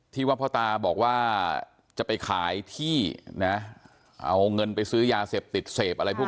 ที่ว่าพ่อตาบอกว่าจะไปขายที่นะเอาเงินไปซื้อยาเสพติดเสพอะไรพวก